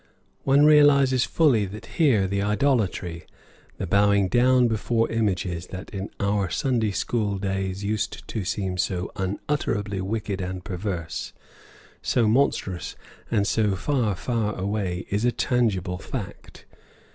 One realizes fully that here the idolatry, the "bowing down before images" that in our Sunday school days used to seem so unutterably wicked and perverse, so monstrous, and so far, far away, is a tangible fact.